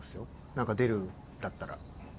何か出るんだったら。